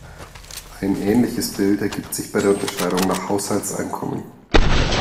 Ein ähnliches Bild ergibt sich bei der Unterscheidung nach Haushaltseinkommen.